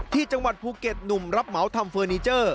ที่จังหวัดภูเก็ตหนุ่มรับเหมาทำเฟอร์นิเจอร์